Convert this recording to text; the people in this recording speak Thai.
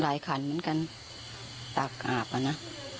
หลายครั้งเหมือนกันตากอาบอ่ะนะ